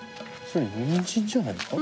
それにんじんじゃないか？